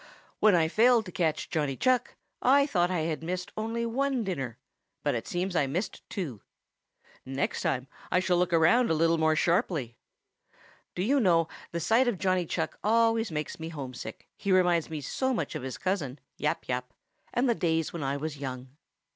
"When I failed to catch Johnny Chuck, I thought I had missed only one dinner, but it seems I missed two. Next time I shall look around a little more sharply. Do you know, the sight of Johnny Chuck always makes me homesick, he reminds me so much of his cousin, Yap Yap, and the days when I was young."